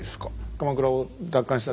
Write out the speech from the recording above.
鎌倉を奪還した。